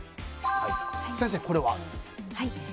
先生、これは？